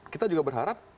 kita juga berharap